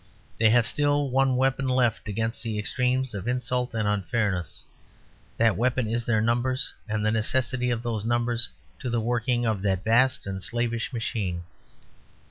They have still one weapon left against the extremes of insult and unfairness: that weapon is their numbers and the necessity of those numbers to the working of that vast and slavish machine.